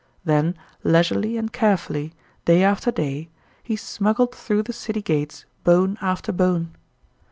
Then leisurely and carefully, day after day, he smuggled through the city gates bone after bone.